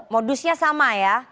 modusnya sama ya